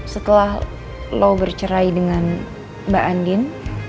setelah lo bercerai dengan mbak andin